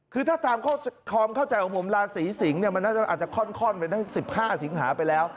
คือถ้าตามความเข้าใจของผมลาศรีสิงฯมันน่าจะอาจจะค่อนเป็น๑๕สิงหาไปแล้ว